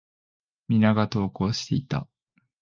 皆が登校していた。